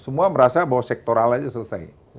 semua merasa bahwa sektoral aja selesai